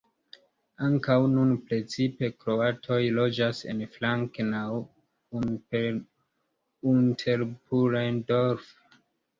Ankaŭ nun precipe kroatoj loĝas en Frankenau-Unterpullendorf.